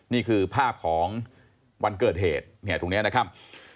นี่คือภาพของวันเกิดเหตุเนี่ยตรงนี้นะครับ